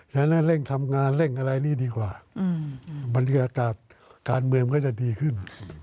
ฉะนั้นเร่งทำงานเร่งอะไรนี่ดีกว่าบรรยากาศการเมืองก็จะดีขึ้น